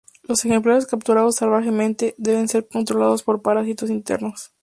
Los ejemplares capturados salvajemente deben ser controlados por parásitos internos.